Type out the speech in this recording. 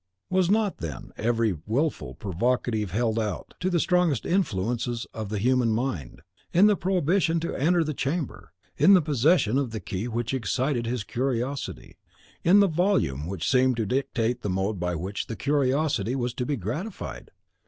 Was not, then, every wilful provocative held out to the strongest influences of the human mind, in the prohibition to enter the chamber, in the possession of the key which excited his curiosity, in the volume which seemed to dictate the mode by which the curiosity was to be gratified?